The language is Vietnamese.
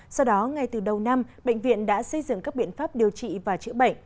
sau đó ngay từ đầu năm bệnh viện đã xây dựng các biện pháp điều trị và chữa bệnh